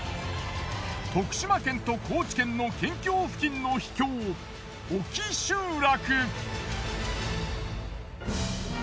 徳島県と高知県の県境付近の秘境沖集落。